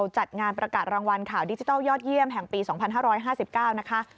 จัดงานประกาศรางวัลข่าวดิจิทัลยอดเยี่ยมแห่งปี๒๕๕๙นะคะ